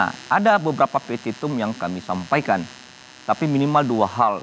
yang kedua adalah memaun kepada mahkamah untuk mengintipkan wrecking ball lalu melaksummatkan mengukur suara mulia tambahan